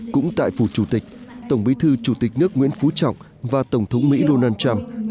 cũng tại phủ chủ tịch tổng bí thư chủ tịch nước nguyễn phú trọng và tổng thống mỹ donald trump